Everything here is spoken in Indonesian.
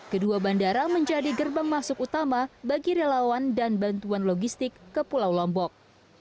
kedua bandara menjadi gerbang masuk utama bagi relawan dan bantuan logistik ke pulau lombok